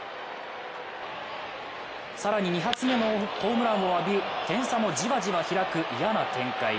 更に２発目のホームランを浴び点差もじわじわ開く嫌な展開。